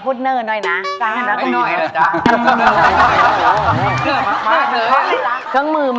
พอร์สชอบฟังเพลงก็หลายแนวครับ